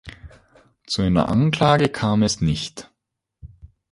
Zu einer Anklage kam es nicht.